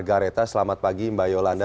hai kak gareta selamat pagi mbak yolanda